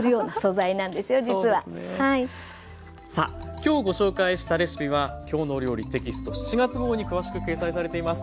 きょうご紹介したレシピは「きょうの料理」テキスト７月号に詳しく掲載されています。